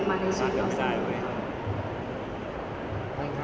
แล้วมันเป็นเรื่องไหนค่ะ